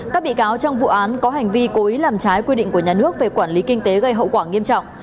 các bị cáo trong vụ án có hành vi cố ý làm trái quy định của nhà nước về quản lý kinh tế gây hậu quả nghiêm trọng